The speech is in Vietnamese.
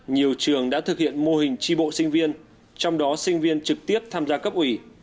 nhiều trường đã thực hiện mô hình tri bộ sinh viên trong đó sinh viên trực tiếp tham gia cấp ủy